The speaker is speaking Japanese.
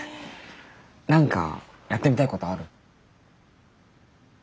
何かやってみたいことある？